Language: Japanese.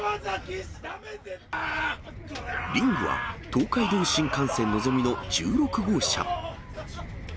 リングは東海道新幹線のぞみの１６号車。